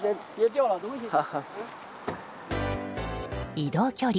移動距離